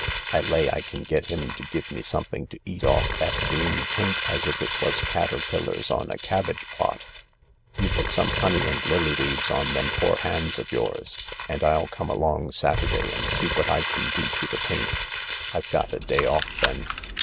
I lay I can get him to give me something to eat off that green paint as if it was caterpillar* on a cabbage plot. You put some honey and lily leaves on them poor hands of yours, and I'll come along Saturday and see what I can do to the paint. I've got a day off then."